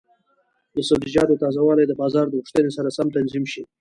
د سبزیجاتو تازه والي د بازار د غوښتنې سره سم تنظیم شي.